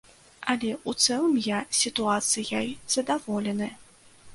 Але ў цэлым я сітуацыяй задаволены.